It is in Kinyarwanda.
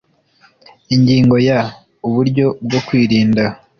Ingingo ya Uburyo bwo kwirinda